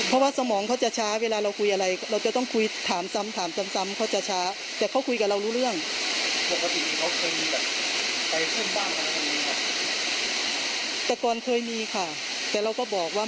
เรารู้เรื่อง